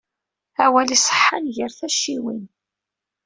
Awal iseḥḥan ger tacciwin.